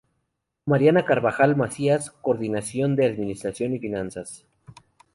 Mariana Carvajal Macías, Coordinación de Administración y Finanzas.